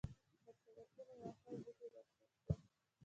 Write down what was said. پر سړکونو واښه او بوټي راشنه شول.